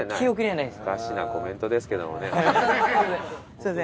おかしなコメントですけどもね。